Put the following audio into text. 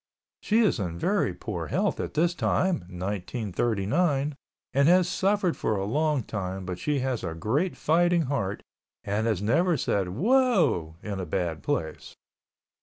She is in very poor health at this time (1939) and has suffered for a long time but she has a great fighting heart and has never said "Whoa" in a bad place.